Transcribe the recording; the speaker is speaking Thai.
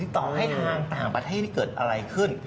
ต่อให้ทางต่างประเทศเกิดอะไรขึ้น